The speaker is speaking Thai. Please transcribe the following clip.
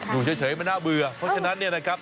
อยู่เฉยมันน่าเบื่อเพราะฉะนั้นเนี่ยนะครับ